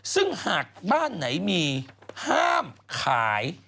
ซึ่งหากบ้านไหนมีห้ามขาย